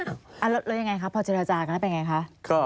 แล้วยังไงคะพ่อแตระจากลายเป็นอย่างไรคะ